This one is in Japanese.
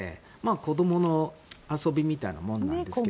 子どもの遊びみたいなものなんです。